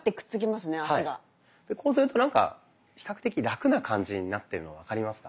こうするとなんか比較的ラクな感じになってるの分かりますか？